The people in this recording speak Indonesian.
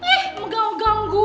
ih mengganggu gue